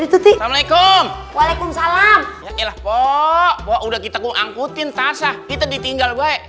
sih assalamualaikum waalaikumsalam ya lah pokok udah kita ngangkutin tasah kita ditinggal baik